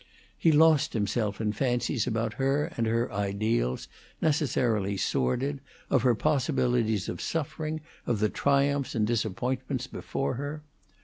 He lost himself in fancies about her and her ideals, necessarily sordid, of her possibilities of suffering, of the triumphs and disappointments before her.